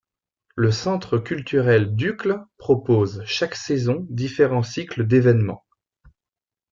Le Centre Culturel d'Uccle propose chaque saison différents cycles d'évènements.